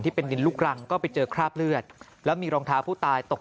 เป็นดินลูกรังก็ไปเจอคราบเลือดแล้วมีรองเท้าผู้ตายตก